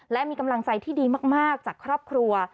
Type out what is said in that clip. และมีกำลังใจที่ดีมากจากครอบครัว